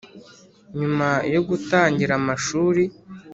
nyuma yo gutangira amashuri